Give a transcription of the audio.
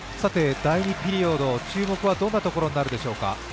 第２ピリオド、注目はどんなところになるでしょうか。